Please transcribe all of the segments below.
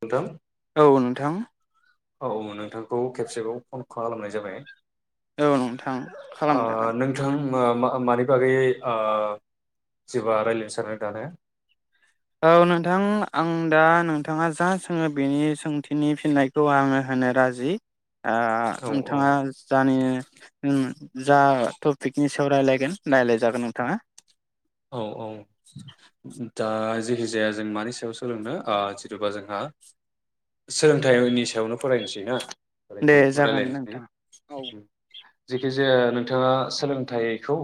नोथां औ नोंथां औ नोंथांखौ खेबसेबाव फन खालामनाय जाबाय औ नोंथां खालामजागोन। ओ मानि बागै ओ जेबा रायज्लायनो सानो दान ने औ नोंथां आं दा नोंथाङा जा सोङो बेनि सोंथिनि फिननायखौ आङो होनो राजि। ओ औ औ नोंथाङा जानि उम जा टपिकनि सायाव रायलायगोन रायलायजागोन नोंथाङा। औ औ दा जिहे हिजाया जों मानि सायाव सोलोंनो ओ जिथुबा जोंहा सोलोंथाइ बायदि सायावनो फरायनोसै ना? दे जागोन नोंथां औ। जेखिजाया नोंथाङा सोलोंथाइखौ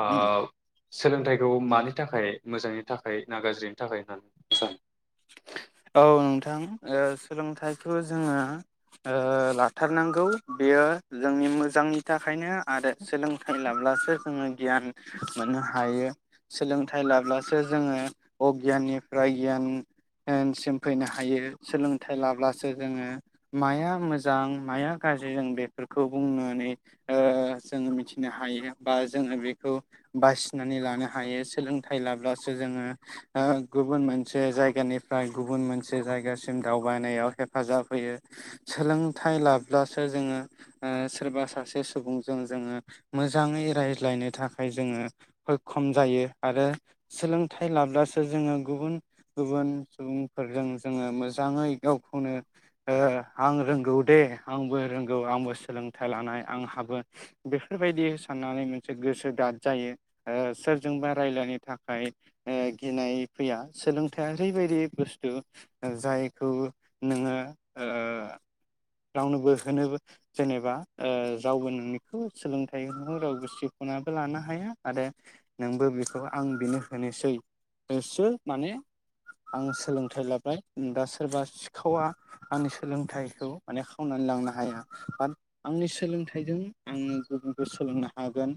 ओ उम सोलोंथाइखौ मानि थाखाय मोजांनि थाखाय ना गाज्रिनि थाखाय होननानै सानो? औ नोंथां ओ सोलोंथाइखौ जोङो ओ लाथारनांगौ बेयो जोंनि मोजांनि थाखायनो आरो सोलोंथाइ लाब्लासो जोङो गियान मोननो हायो। सोलोंथाइ लाब्लासो जोङो अगियाननिफ्राय गियान यानसिम फैनो हायो सोलोंथाइ लाब्लासो जोङो माया मोजां माया गाज्रि जों बेफोरखौ बुंनोनै ओ जोङो मिथिनो हायो बा जोङो बेखौ बासिनानै लानो हायो सोलोंथाइ लाब्लासो जोङो गुबुन ओ मोनसे जायगानि फ्राय गुबुन मोनसे जायगासिम दावबायनायाव हेफाजाब होयो सोलोंथाइ लाब्लासो जोङो ओ सोरबा सासे सुबुंजों जोङो मोजाङै रायज्लायनो थाखाय जोङो हैखम जायो आरो सोलोंथाइ लाब्लासो जोङो गुबुन गुबुन सुबुंफोरजों जोङो मोजाङै गावखौनो ओ आं रोंगौ दे आंबो रोंगौ आंबो सोलोंथाइ लानाय आंहाबो बेफोरबायदि साननानै मोनसे गोसो दाद जायो ओ सोरजोंबा राय्लायनो थाखाय ओ गिनाय फैया सोलोंथाइया ओरैबायदि बुस्थु ओ जायखौ नोङो ओ रावनोबो होनोबो जेनेबा ओ रावबो नोंनिखौ सोलोंथाइ रावबो सेख'नाबो लानो हाया आरो नोंबो बेखौ आं बेनो होनोसै ओ सो माने आं सोलोंथाइ लाबाय दा सोरबा सिखावा आंनि सोलोंथाइखौ माने खावनानै लांनो हाया बाट आंनि सोलोंथाइजों आङो गुबुनखौ सोलोंनो हागोन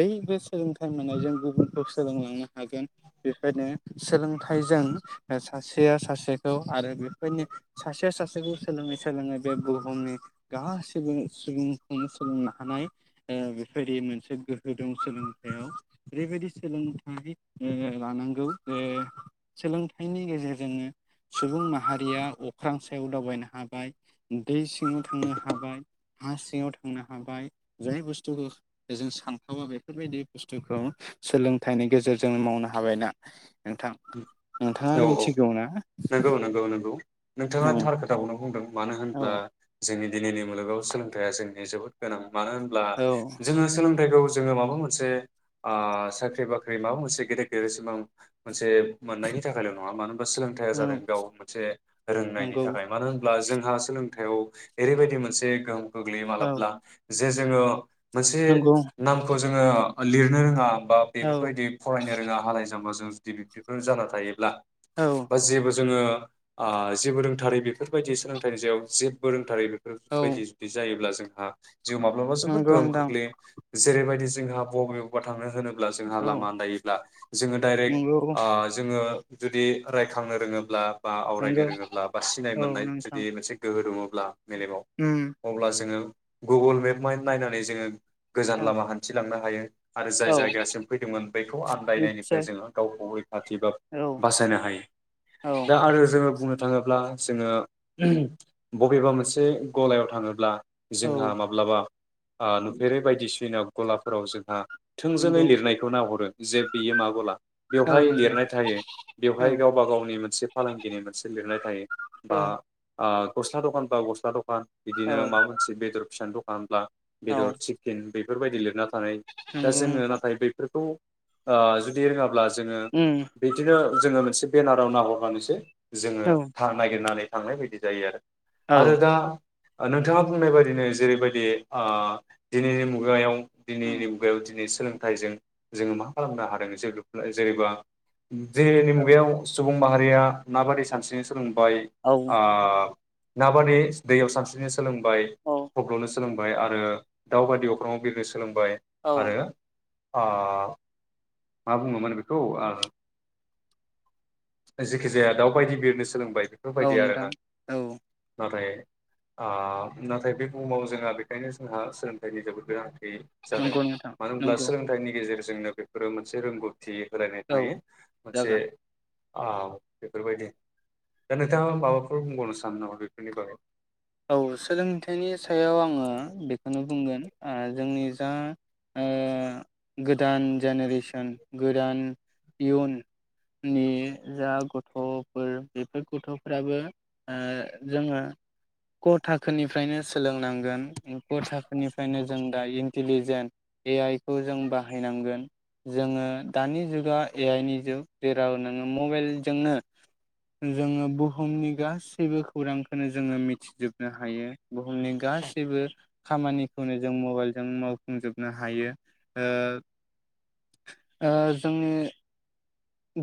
बैबो सोलोंथाइ मोननायजों गुबुनखौ सोलोंलांनो हागोन बेखायनो सोलोंथाइजों ओ सासेया सासेखौ आरो बेफोरनि सासेया सासेखौ सोलोङै सोलोङै बे बुहुमनि गा सुबुं सुबुंखौनो सोलोंनो हानाय ओ बेफोरबायदि मोनसे गोहो दं सोलोंथायाइयाव ओरैबायदि सोलोंथाइ ओ लानांगौ ओ सोलों सोलोंथायनि गेजेरजोंनो सुबुं माहारिया अख्रां सायाव दावबायनो हाबाय दै सिङाव थांनो हाबाय हा सिङाव थांनो हाबाय जाय बुस्थुखौ जों सानथावा बेफोरबायदि बुस्थुखौ सोलोंथाइनि गेजेरजों मावनो हाबाय ना नोंथां। नोंथाङा औ औ मिथिगौ ना? नंगौ [unintelligible] नोंथाङा औ थार खोथाखौनो बुंदों। मानो होनब्ला औ जोंनि दिनैनि मुलुगाव सोलोंथाया जोंनि जोबोद गोनां मानो होनब्ला औ जोङो सोलोंथाइखौ जोङो माबा मोनसे ओ साख्रि बाख्रि माबा मोनसे गेदेर गेदेर सिमां मोनसे मोननायनि थाखायल' नङा मानो होनबा सोलोंथाइया जादों औ गाव मोनसे रोंनायनि नंगौ थाखाय मानो होनब्ला जों हा सोलोंथायाव एरैबायदि मोनसे गो गोग्लैयो औ मालाब्ला जे जो जोङो मोनसे नंगौ नामखौ जोङो लिरनो रोङा बा औ बेफोरबायदि फरायनो रोङा हालाय जामबा दे बिब्दिफोर जाना थायोब्ला औ बा जेबो जोङो ओ जेबो रोंथारै बेफोरबायदि सोलोंथाइनि जायाव जेबो रोंथारै बे फोर औ बायदि जुदि जायोब्ला जों हा जिउ माब्लाबा जोबोद नंगौ गोहोम नोंथां खोख्लैयो जेरैबायदि जोंहा बबेयावबा थांनो होनो ब्ला जोंहा औ लामा आनदायोब्ला जोङो डाइरेक्ट नंगौ आ जोङो जुदि रायखांनो रोङोब्ला बा आवरायनो नंगौ रोङोब्ला बा सिनाय औ मोननाय जुदि नोंथां मोनसे गोहो दङ ब्ला मेलेमाव उम अब्ला जोङो गुगोल मेप माय नायनानै जोङो गोजान औ लामा हान्थिलांनो हायो आरो जाय औ जाय गासिबो फैदोंमोन बेखौ आन्दायनायनिफ्राय निस्सय जोङो [unintelligible] खाथि बा औ बासायनो हायो औ दा आरो जोङो बुङो थाङोब्ला जोङो बबेबा मोनसे गलायाव थाङोब्ला जोंहा औ माब्लाबा नुफेरै बायदिसिना गलाफोराव जोंहा थोंजोङै नंगौ लिरनायखौ नाहरो जे बियो मा गला औ बेवहाय नंगौ लिरनाय थायो औ बेवहाय गावबा गावनि मोनसे फालांगिनि मोनसे लिरनाय थायो बा औ आ गस्ला दखान बा गस्ला दख बा बिदिनो माबा मोनसे बेदर फिसा द बांब्ला औ बेदर सिकेन बे बेफोरबायदि लिरनानै आरो दा नंगौ जोङो नोंथां नाथाय बैफोरखौ ओ जुदि रोङा जोङो उम बिब्दिनो जोङो मोनसे बेनाराव नाहरनानैसै जोङो औ था नागिरनानै थांनाय बायदि जायो आरो आरो दा नोंथाङा बुंनाय बायदिनो जेरैबायदि आह दिनैनि मुगायाव उम दिनैनि मुगायाव दिनै सोलोंथाइजों जोङो मा खालामनो हादों जेहेथु जेरैबा [inaudible] औ सुबुं माहारिया माबादि सानस्रिनो सोलोंदों। बाय ओ नाबादि दैयाव सानस्रिनो सोलोंबाय औ गब्ल'नो स सोलोंबाय आरो दाउ बायदि अख्राव सोलोंबाय औ आरो। अ। मा बुङोमोन बेखौ जेखि जाया दाउबायायदि बिरनो सोलोंबाय। बेफोरबायदि नोंथां आरोना औ नाथाय। ओ नाथाय बे बुहुमाव जोंहा बेखायनो जोंहा सोलोंथाइनि जोबोद गोनां। जादों नंगौ नोंथां मानो होनब्ला नंगौ सोलोंथाइनि गेजेरजों जोंनो बेफोरो जे रोंगौ थिग होलायनाय औ थायो मोनसे जागोन औ बेफोरबायदि दा नोंथाङा माबाफोर बुंबावनो सानो नामा बेफोरनि बागै? औ सोलोंथाइनि सायाव आङो बेखौनो बुंगोन ओ जोंनि जा आं गोदान जेनेरेसन गोदान इयुननि जा गथ'फोर बेफोर गथ'फ्राबो ओ जोङो ग' थाखोनिफ्रायनो सोलोंनांगोन ग' थाखोनिफ्रायनो जों दा इन्टिलिजेन्ट ए आइ खौ जों बाहायनांगोन जोङो दानि जुगा ए आइ नि जुग जेराव नोङो मबाइलजोंनो जोङो बुहुमनि गासैबो खौरांखौनो जोङो मि थिजोबनो हायो बुहुमनि गासैबो खामानिखौनो जों मबाइलजों मावफुंजोबनो हायो ओ जोंनि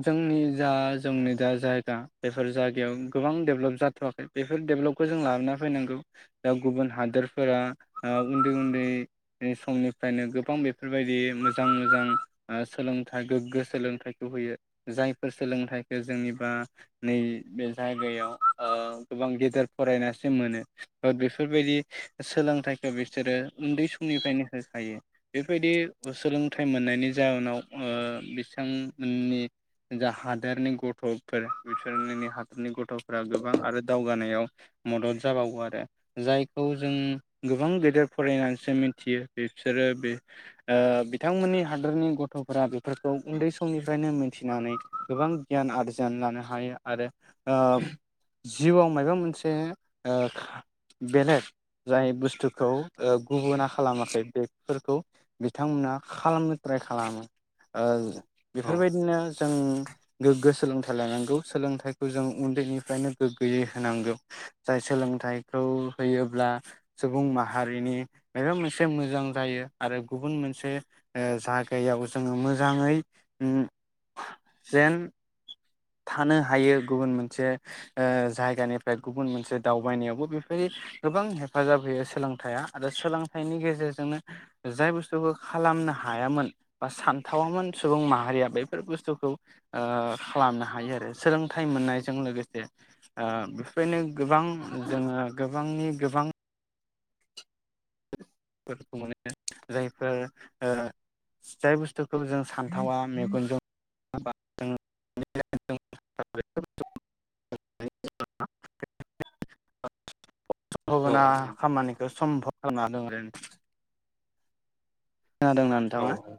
जोंनि जा जोंनि दा जायगा बेफोर जायगायाव गोबां डेभेलप जाथ'वाखै बेफोर डेभेलपखौ जों लाबोना फैनांगौ दा गुबुन हादोरफोरा ओ उन्दै-उन्दै समनिफ्रायनो गोबां बेफोरबायदि मोजां मोजां सोलोंथाइ गोग्गो सोलोंथाइखौ होयो। जायफोर सोलोंथाइखौ जोंनिबा नै बे जायगायाव ओ गोबां गेदेर फरायनासो मोनो बेफोरबायदि सोलोंथाइखौ बिसोरो उन्दै समनिफ्रायनो होखायो बेबायदि सोलोंथाइ मोननायनि जााहोनाव ओ बिथांमोननि जा हादोरनि गथ'फोर बिसोरनि हादोरनि गथ'फोरा गोबां आरो दावगानायाव मदद जाबावो आरो जायखौ जों गोबां गेदेर फरायनानैसो मिथियो बिसोरो बे बिथांमोननि हादोरनि गथ'फोरा बेफोरखौ उन्दै समनिफ्रायनो मिथि थिनानै गोबां गियान आरजि नानै लानो हायो आरो जिउआव मायबा मोनसे ओ खा बेलेग जाय बुस्थुखौ गुबुना खालामाखै बेफोरखौ बिथांमोना खालामनो ट्राइ खालामो औ बेफोरबायदिनो जों गोग्गो सोलोंथाइ लानांगौ सोलोंथाइखौ जों उन्दैनिफ्रायनो गोग्गोयै होनांगौ जाय सोलोंथाइखौ होयोब्ला सुबुं माहारिनि माबा मोनसे मोजां जायो आरो गुबुन मोनसे जागायाव जोङो मोजाङै जेन। थानो हायो गुबुन मोनसे ओ जायगानिफ्राय गुबुन मोनसे दावबायनायावबो बेफोरदि गोबां हेफाजाब होयो सोलोंथाइया आरो सोलोंथाइनि गेजेरजोंनो जाय बुस्थुखौ खालामनो हायामोन बा सानथावामोन सुबुं माहारिया बेफोर बुस्थुखौ ओ खालामनो हायो आरो सोलोंथाइ मोननायजों लोगोसे ओ बेफोरबायनो गोबां जोङो गोबांनि गोबां फोर मोनो जायफोर ओ जाय बुस्थुखौ जों सान थावा मेगनजों [unintelligible] [unintelligible] [unintelligible] औ भना खामानिखौ सम्भब। [unintelligible] खोनादोंना औ नोंथाङा औ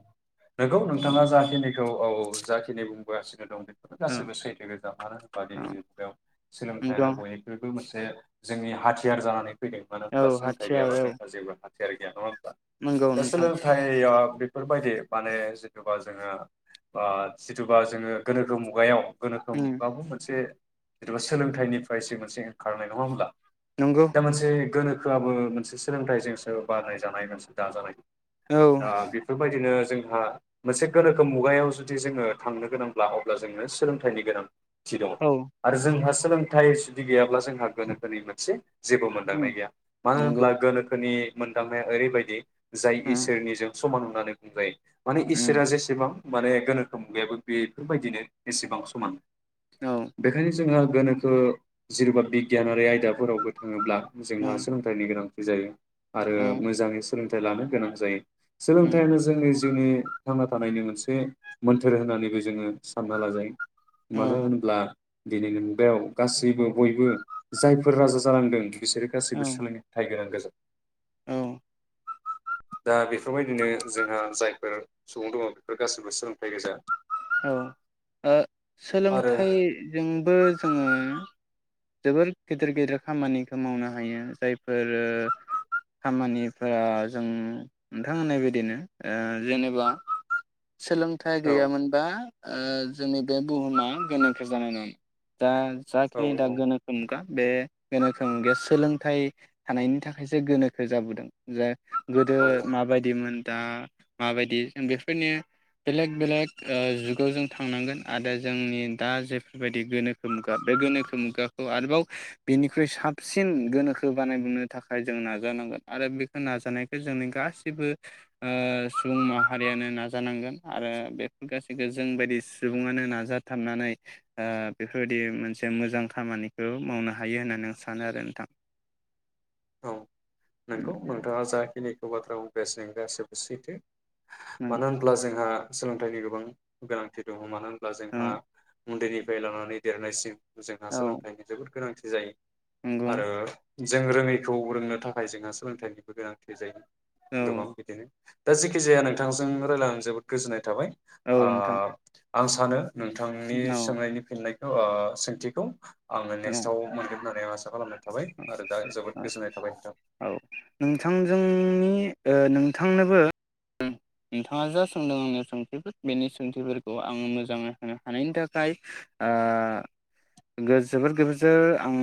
नोंगौ औ नोंथाङा जाखिनि औ औ जाखिनि बुंबोगासिनो दं औ गासैबो सैथो गोजा मानो होनबा औ दिनैनि मुगायाव नंगौ सोलोंथायाइानो बयख्रुइबो मोनसे जे जोंनि हाथियार जानानै फैदों मानो औ होनब्ला सोलोंथाय हाथियार गैयाब्ला औ जोंहा जेबो हा थियारि गैया नङा नंगौ दा नोंथां सोलोंथाइ दैया बेफोरबायदि माने जिथुबा जोङा ओ जिथुबा जोङो गोनोखो मुगायाव गोनोखो उम मुगाबो मोनसे जेनेबा सोलोंथाइनिफ्रायसो मोनसे ओंखारनाय नङा होनब्ला? नंगौ दा मोनसे गोनो खोआबो मोनसे सोलोंथाइजोंसो बारनाय जानाय मोनसे दाजानाय। औ दा बेफोरबायदिनो जोंहा मोनसे गोनोखो मुगायाव जुदि जोंङो थांनो गोनांब्ला अब्ला जोंनो सोलोंथाइनि गोनां। थि दङ औ आरो जों मास सोलोंथाय जुदि गैयाब्ला जोंहा गोनोखोनि मोनसे जेबो उम मोनदांनाय गैया मानो नंगौ होनब्ला गोनोखोनि मोनदांनाया ओरैबायदि जाय उम इसोरनिजों समान होननानै बुंजायो। माने उम इसोरा जेसेबां माने गोनोखोम मुगायाबो बेफोरबायदिनो एसेबां समान। औ [unintelligible] जोंहा गोनोखो जेरेबा बिगियानारि आयदाफोरावबो थाङोब्ला औ जोंहा सोलोंथाइनि गोनां। जायो। आरो औ मोजाङै सोलों लानो गोनां जायो। उम सोलोंथायानो जोंनि जिउनि थांना थानायनि मोनसे मोन्थोर होननानैबो जोङो सानना लाजायो। औ मानो होनोब्ला दिनैनि बेयाव गासैबो बयबो जायफोर राजा जालांदों बिसोर औ गासैबो [unintelligible] [inaudible] औ दा बे फोरबायदिनो जोंहा जायफोर सुबुं दङ बेफोर गाससिबो सोलोंथाइ गोजा। ओ आरो सोलोंथाइजोंबो जोङो जोबोर गेदिर गेदिर खामानिखौ मावनो हायो जायफोर खामानिफोरा जों नोंथां होननाय बदिनो जेनेबा सोलोंथाइ औ गैयामोनबा जोंनि बे बुहुमा गोनांथार औ [unintelligible] [unintelligible] [unintelligible] बे [unintelligible] सोलोंथाइ थानायनि थाखायसो गोनोखो जाबोदों। औ [unintelligible] [unintelligible] माबायदिमोन दा माबायदि जों बेफोरनि बेलेग बेलेग खुगाखौ आरोबाव बिनिख्रुइ साबसिन गोनोखो बानायबोननो थाखाय जों नाजानांगोन आरो बेखौ नाजानायख जोंनि गासिबो सुबुं माहारियानो नाजानांगोन आरो बेफोर गासैखौ जोंबायदि सुबुङानो नाजाथाबनानै बेफोरबायदि मोनसे मोजां खामानिखौ मावनो हायो होननानै आं सानो आरो नोंथां औ उम नोंगौ नोंथाङा जाय [unintelligible] मानो होनब्ला जोंहा सोलोंथाइनि गोबां गोनांथि दङ मानो होन अब्ला औ जोंहा उन्दैनिफ्राय लानानै देरनायसिम जोंहा औ सोलोंथाइनि जोबोद गोनांथि। जायो। नंगौ आरो जों रोङै खौ रोंनो थाखाय जोंहा सोलोंथाइनिबो गोनांथि जायो। औ गोबां बिदिनो दा जेखि जाया नोंथांजों रायजलायनो जोबोद गोजोन्नाय थाबाय औ आ नोंथां आं सानो नोंथांनि औ सोंनायनि फिननाय ओ सोंथिखौ आङो औ नेक्स्टआव मोनगोन आरो दे आसा खालामनाय थाबाय आरो दा औ जोबोद थाबाय नोंथां। औ नोंथांजोंनि नोंथांनोबो नोंथाङा जा सोंदों आंनि सोंथिफोर बेनि सोंथिफोरखौ आङो मोजाङै होनो हानायनि थाखाय जोबोर गोबजोर आं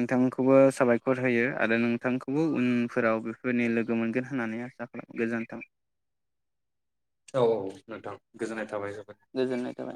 नोंथांखौबो साबायखर होयो आरो नोंथांखौबो उनफोराव बेफोरबायदि लोगो मोनगोन होननानै आसा खालाम गोजोन्थों। औ औ नोंथां गोजोननाय थाबाय। जोबोद गोजोननाय थाबाय।